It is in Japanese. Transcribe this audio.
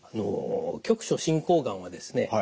局所進行がんはですね